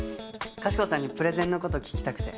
かしこさんにプレゼンの事聞きたくて。